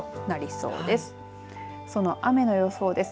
その雨の予想です。